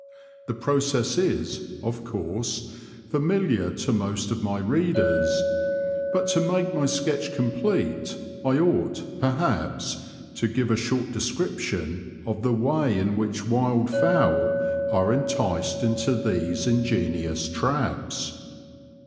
The process is, of course, faraihar to most of my readers, but to make my sketch complete I ought, perhaps, to give a short description of the way in which wild fowl are enticed into these ingenious traps.